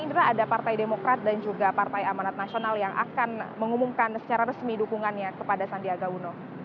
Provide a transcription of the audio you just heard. indra ada partai demokrat dan juga partai amanat nasional yang akan mengumumkan secara resmi dukungannya kepada sandiaga uno